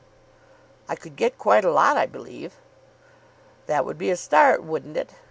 "I could get quite a lot, I believe." "That would be a start, wouldn't it?